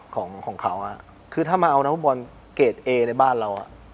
ของของเขาอ่ะคือถ้ามาเอานักบอลเกรดเอในบ้านเราอ่ะ